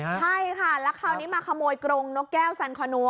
ใช่ค่ะแล้วคราวนี้มาขโมยกรงนกแก้วสันคอนัว